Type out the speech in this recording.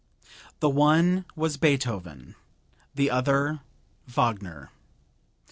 The one was Beethoven, the other Wagner.